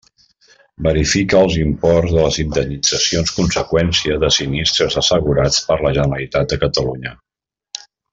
Verifica els imports de les indemnitzacions conseqüència de sinistres assegurats per la Generalitat de Catalunya.